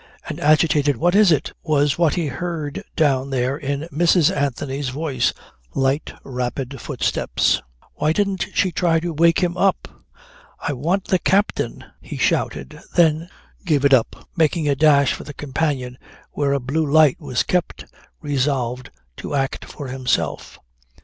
An agitated "What is it?" was what he heard down there in Mrs. Anthony's voice, light rapid footsteps ... Why didn't she try to wake him up! "I want the captain," he shouted, then gave it up, making a dash at the companion where a blue light was kept, resolved to act for himself.